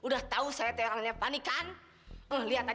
kalau sorgen belakang